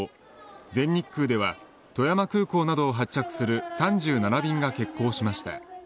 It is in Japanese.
全日空では富山空港などを発着する３７便が欠航しました。